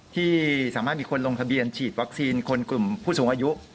ที่สามารถมีคนลงทะเบียนฉีดวัคซีนคนกลุ่มผู้สูงอายุ